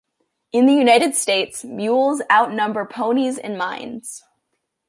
In the United States, mules outnumbered ponies in mines.